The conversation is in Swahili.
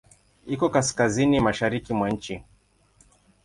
Iko Kaskazini mashariki mwa nchi.